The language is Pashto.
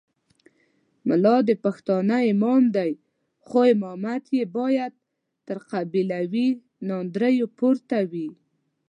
ملا د پښتانه امام دی خو امامت یې باید تر قبیلوي ناندریو پورته وي.